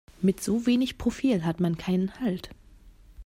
Mit so wenig Profil hat man keinen Halt.